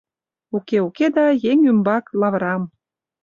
Уке-уке да, еҥ ӱмбак лавырам.